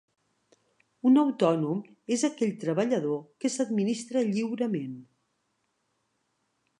Un autònom és aquell treballador que s'administra lliurement.